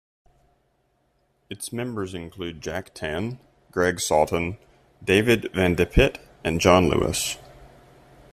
Its members include Jack Tann, Greg Sawton, David Van DePitte and John Lewis.